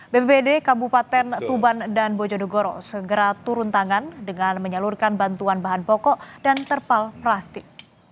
bpbd kabupaten tuban dan bojonegoro segera turun tangan dengan menyalurkan bantuan bahan pokok dan terpal plastik